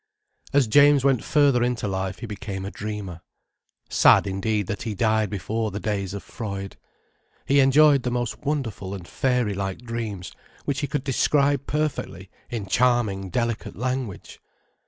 As James went further into life, he became a dreamer. Sad indeed that he died before the days of Freud. He enjoyed the most wonderful and fairy like dreams, which he could describe perfectly, in charming, delicate language.